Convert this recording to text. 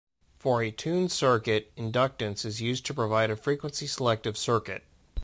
For a tuned circuit, inductance is used to provide a frequency-selective circuit.